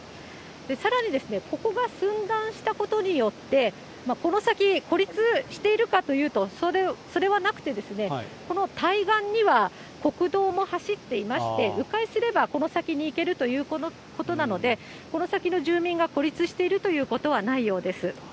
さらに、ここが寸断したことによって、この先、孤立しているかというと、それはなくてですね、この対岸には国道も走っていまして、う回すれば、この先に行けるということなので、この先の住民が孤立しているということはないようです。